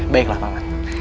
baiklah pak man